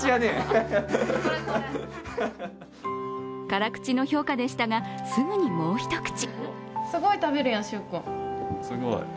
辛口の評価でしたがすぐにもう一口。